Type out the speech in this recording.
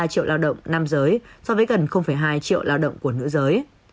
ba triệu lao động nam giới so với gần hai triệu lao động của nữ giới